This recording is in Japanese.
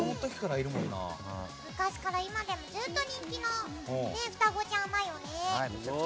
昔から今でもずっと人気の双子ちゃんだよね。